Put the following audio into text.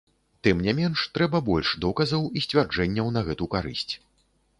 Тым не менш, трэба больш доказаў і сцвярджэнняў на гэту карысць.